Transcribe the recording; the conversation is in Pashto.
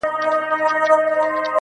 په کاشان کي به مي څه ښه په نصیب سي؛